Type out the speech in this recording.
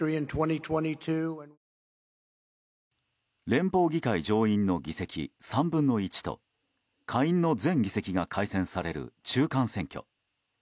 連邦議会上院の議席３分の１と下院の全議席が改選される中間選挙。